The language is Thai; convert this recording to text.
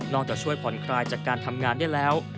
จะช่วยผ่อนคลายจากการทำงานได้แล้ว